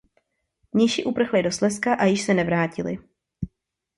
Mniši uprchli do Slezska a již se nevrátili.